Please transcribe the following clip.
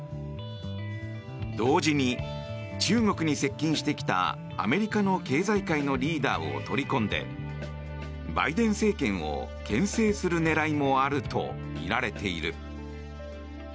同時に、中国に接近してきたアメリカの経済界のリーダーを取り込んでバイデン政権を牽制する狙いもあるとみられている。